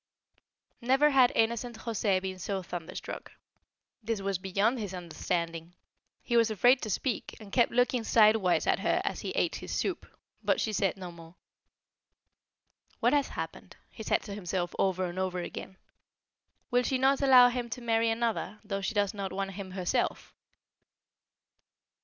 Never had innocent José been so thunderstruck. This was beyond his understanding. He was afraid to speak, and kept looking sidewise at her as he ate his soup; but she said no more. "What has happened?" he said to himself over and over again. "Will she not allow him to marry another, though she does not want him herself?"